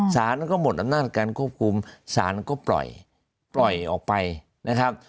สารก็หมดอำนาจการควบคุมสารก็ปล่อยปล่อยออกไปนะครับ